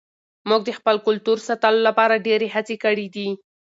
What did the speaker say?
موږ د خپل کلتور ساتلو لپاره ډېرې هڅې کړې دي.